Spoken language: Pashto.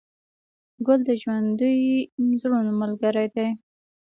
ګل د ژوندي زړونو ملګری دی.